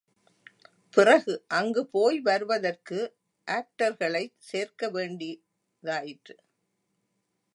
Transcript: பிறகு அங்கு போய் வருவதற்கு ஆக்டர்களைச் சேர்க்கவேண்டிதாயிற்று.